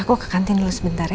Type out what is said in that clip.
aku ke kantin dulu sebentar ya